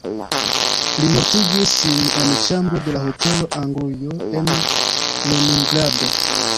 Li mortigis sin en ĉambro de la Hotelo Anglujo en Leningrado.